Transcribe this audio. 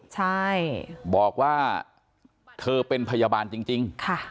ใช่บอกว่าเธอเป็นพยาบาลจริง